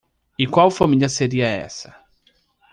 E qual família seria essa?